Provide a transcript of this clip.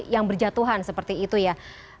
yang berjatuhan seperti itu ya